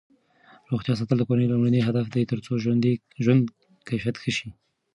روغتیا ساتل د کورنۍ لومړنی هدف دی ترڅو ژوند کیفیت ښه شي.